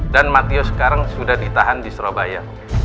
dan matio sekarang sudah ditahan di surabaya